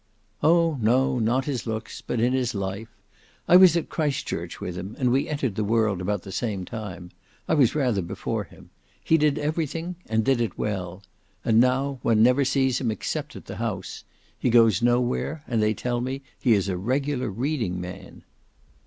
"Oh! no; not in his looks; but in his life. I was at Christchurch with him, and we entered the world about the same time. I was rather before him. He did everything; and did it well. And now one never sees him, except at the House. He goes nowhere; and they tell me he is a regular reading man."